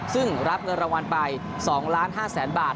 ซึ่งรับเงินรางวัลไป๒๕๐๐๐๐บาท